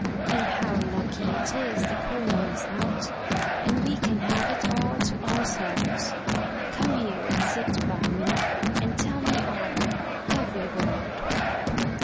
And how lucky it is the Colonel is out^ and we can have it all to ourselves. Come here and sit by me, and tell me all— every word."